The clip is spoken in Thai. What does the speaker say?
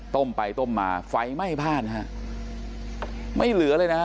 ต้มไปต้มมาไฟไหม้บ้านฮะไม่เหลือเลยนะฮะ